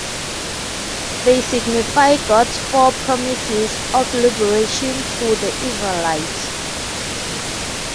They signify God’s four promises of liberation to the Israelites.